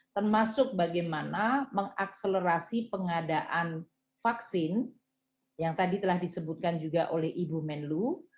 termasuk bagaimana mengakselerasi pengadaan vaksin yang tadi telah disebutkan juga oleh ibu menlu